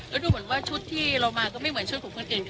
แล้วดูเหมือนว่าชุดที่เรามาก็ไม่เหมือนชุดของคนอื่น